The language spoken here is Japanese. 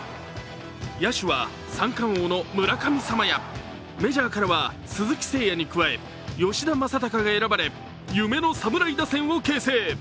野手は、三冠王の村神様やメジャーからは鈴木誠也に加え吉田正尚が選ばれ夢の侍打線を形成。